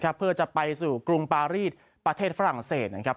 เพื่อจะไปสู่กรุงปารีสประเทศฝรั่งเศสนะครับ